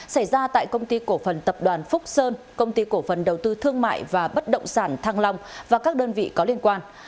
xảy ra tại công ty cổ phần tập đoàn phúc sơn công ty cổ phần đầu tư thương mại và bất động sản thăng long và các đơn vị có liên quan